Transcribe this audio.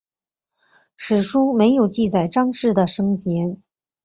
史书没有记载张氏的生年。